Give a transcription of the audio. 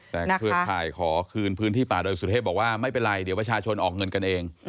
แต่เครือข่ายขอคืนพื้นที่ป่าดอยสุเทพบอกว่าไม่เป็นไรเดี๋ยวประชาชนออกเงินกันเอง